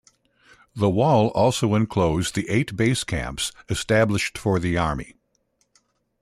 The wall also enclosed the eight base camps established for the army.